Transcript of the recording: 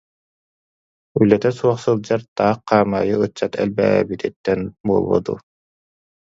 Үлэтэ суох сылдьар, таах хаамаайы ыччат элбээбититтэн буолуо дуу